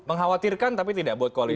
mengkhawatirkan tapi tidak buat koalisi